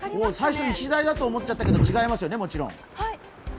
最初にイシダイだと思っちゃいましたけど違いますよね、もちろん。